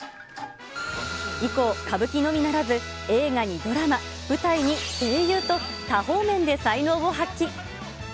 以降、歌舞伎のみならず映画にドラマ、舞台に声優と、多方面で才能を発揮。